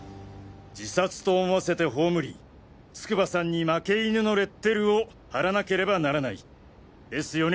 自殺と思わせて葬り筑波さんに負け犬のレッテルを貼らなければならないですよね